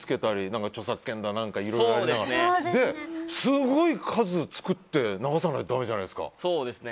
なんだいろいろやってすごい数、作って流さないとだめじゃないですか。